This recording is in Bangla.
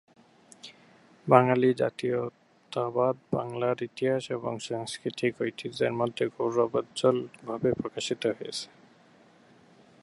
বাঙালি জাতীয়তাবাদ বাংলার ইতিহাস এবং সাংস্কৃতিক ঐতিহ্যের মধ্যে গৌরবোজ্জ্বল ভাবে প্রকাশিত হয়েছে।